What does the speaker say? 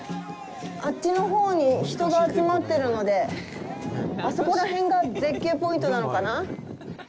あっちのほうに人が集まってるのであそこら辺が絶景ポイントなのかな。